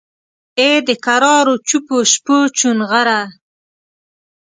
ای دکرارو چوپو شپو چونغره!